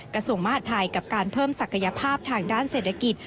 กระทรวงมหาดไทยกับการเพิ่มศักยภาพทางด้านเศรษฐกิจ